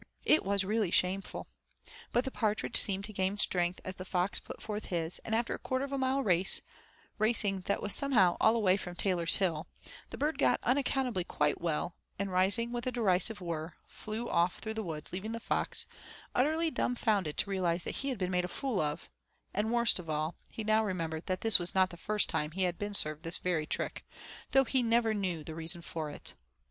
It was really shameful. But the partridge seemed to gain strength as the fox put forth his, and after a quarter of a mile race, racing that was somehow all away from Taylor's Hill, the bird got unaccountably quite well, and, rising with a derisive whirr, flew off through the woods leaving the fox utterly dumfounded to realize that he had been made a fool of, and, worst of all, he now remembered that this was not the first time he had been served this very trick, though he never knew the reason for it.